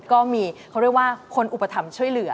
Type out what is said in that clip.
ก็มีเขาเรียกว่าคนอุปถัมภ์ช่วยเหลือ